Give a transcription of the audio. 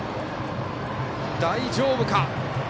大丈夫か。